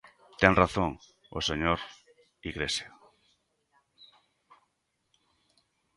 Ten razón o señor Igrexa.